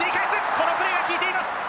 このプレーが効いています！